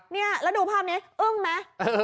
เนี่ยแล้วดูภาพนี้อึ้งมั้ย